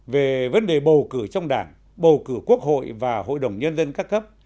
về vấn đề bầu cử trong đảng bầu cử quốc hội và hội đồng nhân dân các cấp